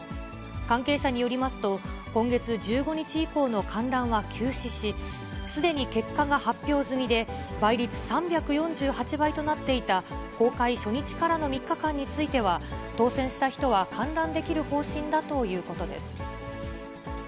関係者によりますと、今月１５日以降の観覧は休止し、すでに結果が発表済みで、倍率３４８倍となっていた、公開初日からの３日間については、当せんした人は観覧できる方針だということです。